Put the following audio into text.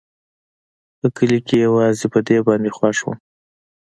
په کلي کښې يوازې په دې باندې خوښ وم.